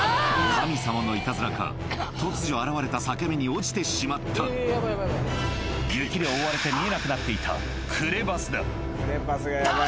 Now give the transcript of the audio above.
神様のイタズラか突如現れた裂け目に落ちてしまった雪で覆われて見えなくなっていた助けてくれ！